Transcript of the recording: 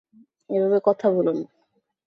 এভাবে কথা বলো না।